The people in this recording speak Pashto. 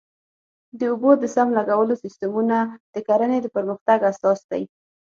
د اوبو د سم لګولو سیستمونه د کرنې د پرمختګ اساس دی.